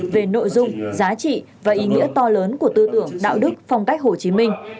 về nội dung giá trị và ý nghĩa to lớn của tư tưởng đạo đức phong cách hồ chí minh